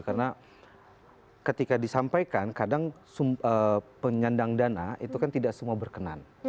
karena ketika disampaikan kadang penyandang dana itu kan tidak semua berkenan